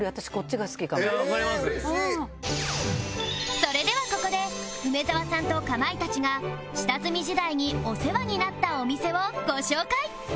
それではここで梅沢さんとかまいたちが下積み時代にお世話になったお店をご紹介！